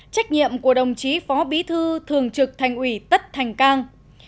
trách nhiệm của đồng chí phó bí thư thường trực thành ủy tất thành cang